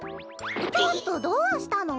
ちょっとどうしたの？